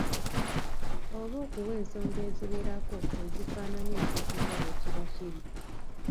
Oba okuwa ensonga eziwerako ezifaananya ekintu nga bwe kiba kiri.